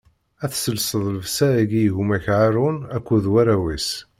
Ad tesselseḍ llebsa-agi i gma-k Haṛun akked warraw-is.